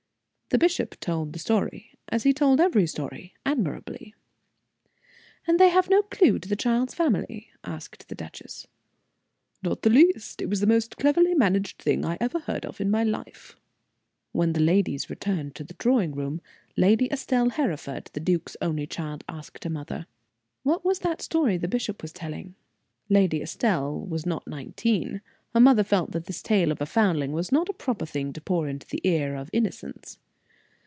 The bishop told the story, as he told every story, admirably. "And they have no clew to the child's family," asked the duchess. "Not the least. It was the most cleverly managed thing I ever heard of in my life." When the ladies returned to the drawing room, Lady Estelle Hereford, the duke's only child, asked her mother: "What was that story the bishop was telling?" Lady Estelle was not nineteen. Her mother felt that this tale of a foundling was not a proper thing to pour into the ear of innocence.